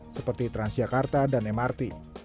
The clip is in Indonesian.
seperti transjakarta dan mrt